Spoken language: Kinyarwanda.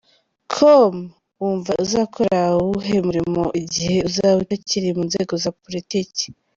com: Wumva uzakora uwuhe murimo igihe uzaba utakiri mu nzego za politiki?.